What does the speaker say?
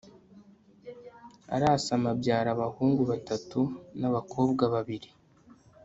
arasama abyara abahungu batatu n'abakobwa babiri